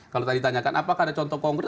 kalau tadi ditanyakan apakah ada contoh konkret